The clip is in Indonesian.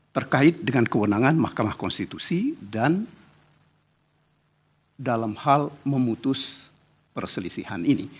terkait dengan kewenangan mahkamah konstitusi dan dalam hal memutus perselisihan ini